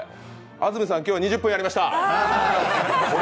安住さん、今日は２０分やりました！